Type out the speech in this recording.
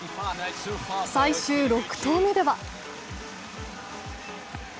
最終６投目では。